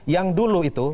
yang dulu itu